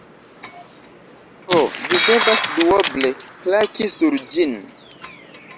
Ho, vi devas duoble klaki sur ĝin.